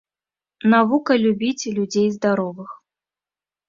Навука любіць людзей здаровых.